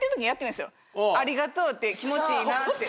ありがとうって気持ちいいなって。